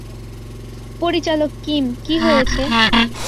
পরিচালক কিম, কী হয়েছে?